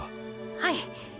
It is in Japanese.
はい。